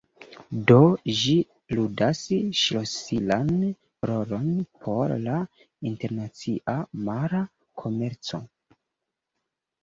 Do, ĝi ludas ŝlosilan rolon por la internacia mara komerco.